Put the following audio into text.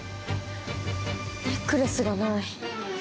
ネックレスがない。